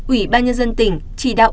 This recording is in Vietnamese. ubnd tỉnh chỉ đạo